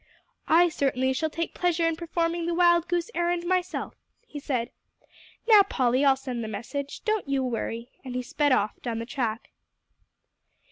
"I certainly shall take pleasure in performing the wild goose errand myself," he said. "Now Polly, I'll send the message; don't you worry," and he sped off down the track.